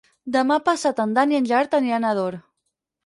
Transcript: Demà passat en Dan i en Gerard aniran a Ador.